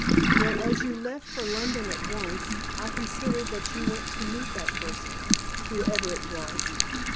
Well, as you left for London at once, I considered that you went to meet that person, whoever it was.